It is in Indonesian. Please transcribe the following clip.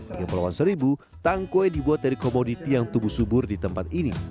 di kepulauan seribu tangkwe dibuat dari komoditi yang tumbuh subur di tempat ini